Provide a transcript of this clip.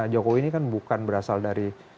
jokowi ini kan bukan berasal dari